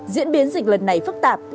diễn biến dịch lần này phức tạp